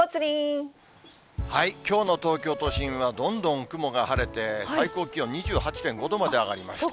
きょうの東京都心はどんどん雲が晴れて、最高気温２８．５度まで上がりました。